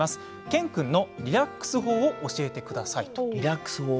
健君のリラックス法を教えてください。